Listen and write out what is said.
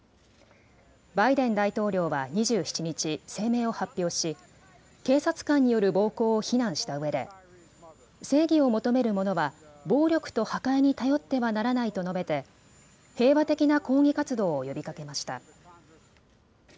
バイデン大統領は２７日、声明を発表し警察官による暴行を非難したうえで正義を求めるものは暴力と破壊に頼ってはならないと述べて平和的な抗議活動を呼びかけました。